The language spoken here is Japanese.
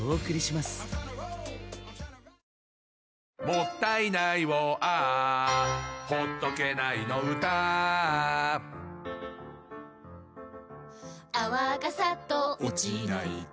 「もったいないをＡｈ」「ほっとけないの唄Ａｈ」「泡がサッと落ちないと」